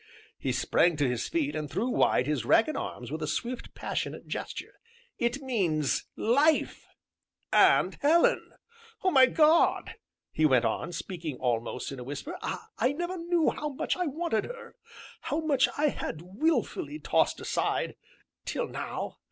He sprang to his feet, and threw wide his ragged arms with a swift, passionate gesture. "It means Life and Helen. My God!" he went on, speaking almost in a whisper, "I never knew how much I wanted her how much I had wilfully tossed aside till now!